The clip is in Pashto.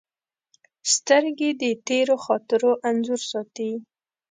سترګې د تېرو خاطرو انځور ساتي